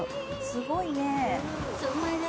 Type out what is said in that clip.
すごいね。